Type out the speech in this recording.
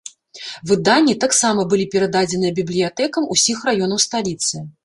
Выданні таксама былі перададзеныя бібліятэкам усіх раёнаў сталіцы.